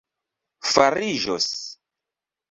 fariĝos